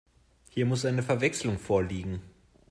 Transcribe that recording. Hier muss eine Verwechslung vorliegen.